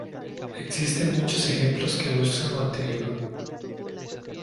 Existen muchos ejemplos que ilustran lo anterior.